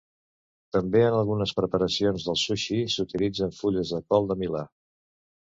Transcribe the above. També en algunes preparacions del sushi s'utilitzen fulles de col de Milà.